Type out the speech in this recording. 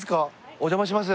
お邪魔します。